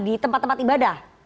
di tempat tempat ibadah